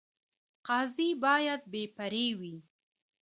قاضي باید بې پرې وي